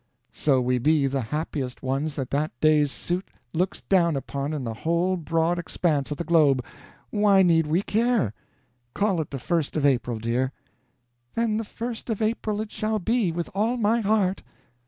"So we be the happiest ones that that day's suit looks down upon in the whole broad expanse of the globe, why need we care? Call it the 1st of April, dear." "Then the 1st of April at shall be, with all my heart!"